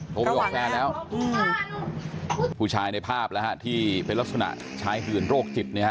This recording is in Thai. ใช่บอกแฟนแล้วผู้ชายในภาพที่เป็นลักษณะชายหื่นโรคจิต